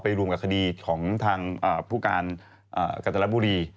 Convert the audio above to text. รวมกับคดีของทางผู้การกัจจนบุรี